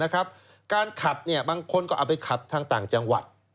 การขับบางคนก็เอาไปขับทางต่างจังหวัด